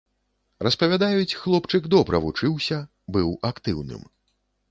Распавядаюць, хлопчык добра вучыўся, быў актыўным.